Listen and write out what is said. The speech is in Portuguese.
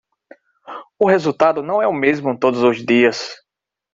O resultado não é o mesmo todos os dias.